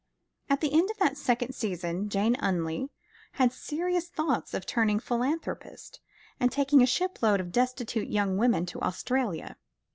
At the end of that second season, Jane Umleigh had serious thoughts of turning philanthropist, and taking a shipload of destitute young women to Australia.